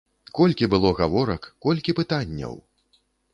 Колькі было гаворак, колькі пытанняў!